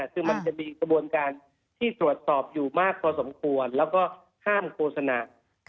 คือมันจะมีกระบวนการที่ตรวจสอบอยู่มากพอสมควรแล้วก็ห้ามโฆษณา